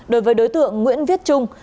đối với đối tượng nguyễn viết trung